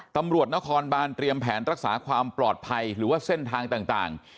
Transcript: ตำรวจนครบานเตรียมแผนรักษาความปลอดภัยหรือว่าเส้นทางต่าง